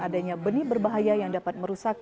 adanya benih berbahaya yang dapat merusak